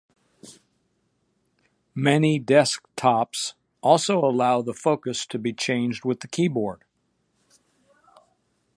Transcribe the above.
Many desktops also allow the focus to be changed with the keyboard.